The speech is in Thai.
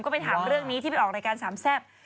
ก็ไปถามเรื่องนี้ที่ไปออกรายการสามแซ่บ